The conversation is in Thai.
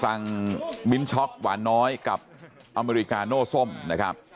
มิ้นช็อกหวานน้อยกับอเมริกาโน้ส้มนะครับ